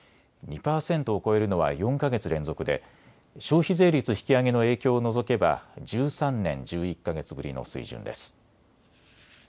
２％を超えるのは４か月連続で消費税率引き上げの影響を除けば１３年１１か月ぶりの水準です。